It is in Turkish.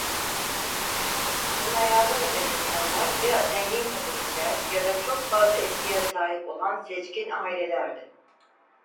Ona yardım eden insanlar ya zengin Katolikler ya da çok fazla etkiye sahip olan seçkin ailelerdi.